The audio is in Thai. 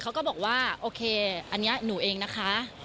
เขาก็บอกว่าโอเคอันนี้หนูเองนะคะ